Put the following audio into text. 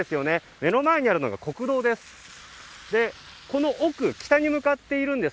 目の前にあるのが国道です。